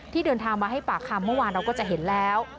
เดินทางมาให้ปากคำเมื่อวานเราก็จะเห็นแล้ว